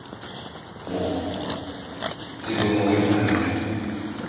もう自分を追い詰めないで。